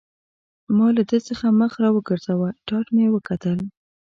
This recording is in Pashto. ما له ده څخه مخ را وګرځاوه، ټاټ مې وکتل.